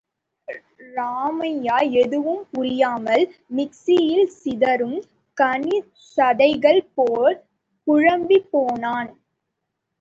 ராமய்யா, எதுவும் புரியாமல், மிக்ஸியில் சிதறும் கனிச்சதைகள் போல் குழம்பிப் போனான்.